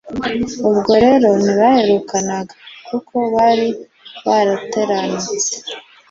ubwo rero ntibaherukanaga, kuko bari barateranutse,